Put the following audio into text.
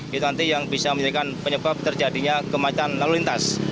itu nanti yang bisa menyebabkan terjadinya kematian lalu lintas